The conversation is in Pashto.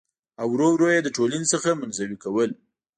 او ور ور يې د ټـولنـې څـخـه منـزوي کـول .